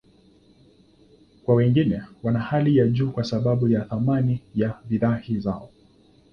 Kwa wengine, wana hali ya juu kwa sababu ya thamani ya bidhaa zao.